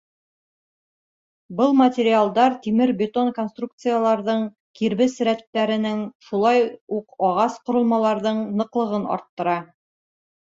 Был материалдар тимер-бетон конструкцияларҙың, кирбес рәттәренең, шулай уҡ ағас ҡоролмаларҙың ныҡлығын арттыра.